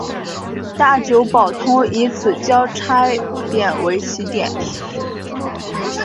大久保通以此交差点为起点。